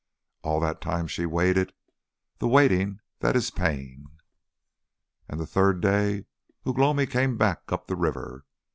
All that time she waited the waiting that is pain. And the third day Ugh lomi came back, up the river.